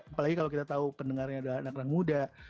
apalagi kalau kita tahu pendengarnya adalah anak anak muda